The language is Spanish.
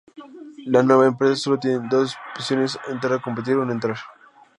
La nueva empresa solo tiene dos opciones: entrar a competir o no entrar.